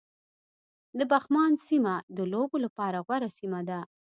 د پغمان سيمه د لوبو لپاره غوره سيمه ده